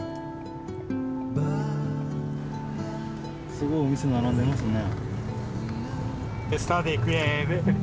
すごいお店並んでますね。